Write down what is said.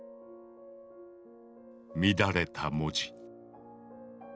乱れた文字。